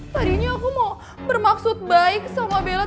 tadinya aku mau bermaksud baik sama bella